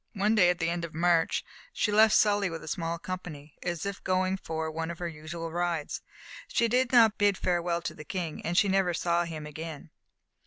One day at the end of March she left Sully with a small company, as if going for one of her usual rides. She did not bid farewell to the King, and she never saw him again.